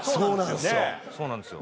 そうなんですよ